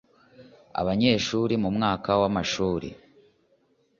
Abanyeshuri mu mwaka w amashuri